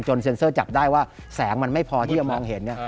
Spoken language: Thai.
เซ็นเซอร์จับได้ว่าแสงมันไม่พอที่จะมองเห็น